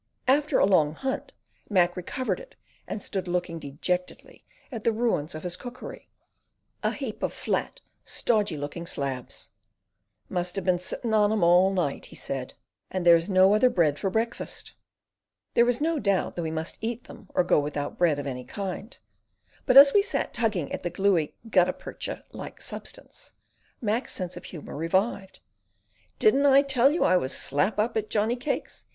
After a long hunt Mac recovered it and stood looking dejectedly at the ruins of his cookery—a heap of flat, stodgy looking slabs. "Must have been sitting on 'em all night," he said, "and there's no other bread for breakfast." There was no doubt that we must eat them or go without bread of any kind; but as we sat tugging at the gluey guttapercha like substance, Mac's sense of humour revived. "Didn't I tell you I was slap up at Johnny cakes?"